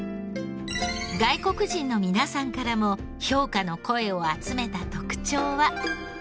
外国人の皆さんからも評価の声を集めた特徴は。